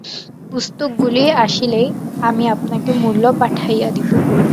পুস্তকগুলি আসিলেই আমি আপনাকে মূল্য পাঠাইয়া দিব।